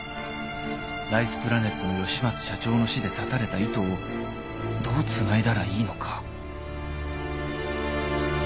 ［ライスプラネットの吉松社長の死で断たれた糸をどうつないだらいいのか？］